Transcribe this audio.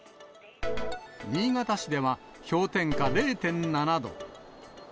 新潟市では氷点下０．７度。